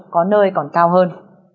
có nơi còn cao hơn